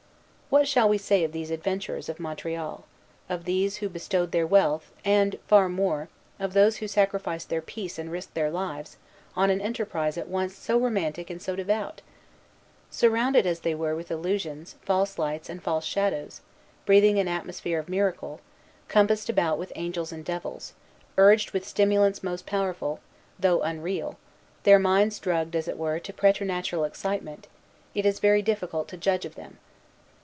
What shall we say of these adventurers of Montreal, of these who bestowed their wealth, and, far more, of these who sacrificed their peace and risked their lives, on an enterprise at once so romantic and so devout? Surrounded as they were with illusions, false lights, and false shadows, breathing an atmosphere of miracle, compassed about with angels and devils, urged with stimulants most powerful, though unreal, their minds drugged, as it were, to preternatural excitement, it is very difficult to judge of them.